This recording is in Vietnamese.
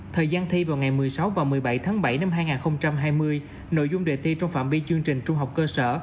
thời gian thi vào ngày một mươi sáu và một mươi bảy tháng bảy năm hai nghìn hai mươi nội dung đề thi trong phạm vi chương trình trung học cơ sở